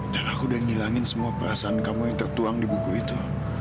dan aku udah ngilangin semua perasaan kamu yang tertuang di buku itu